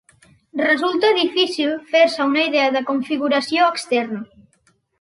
Resulta difícil fer-se una idea de configuració externa.